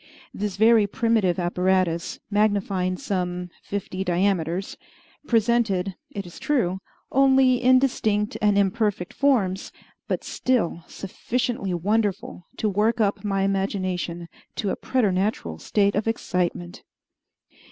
This very primitive apparatus, magnifying some fifty diameters, presented, it is true, only indistinct and imperfect forms, but still sufficiently wonderful to work up my imagination to a preternatural state of excitement.